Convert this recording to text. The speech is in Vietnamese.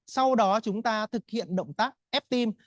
sau đó chúng ta thực hiện động tác ép tim